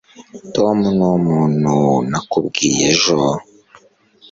tom numuntu nakubwiye ejo